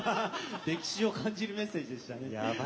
歴史を感じるメッセージでしたね。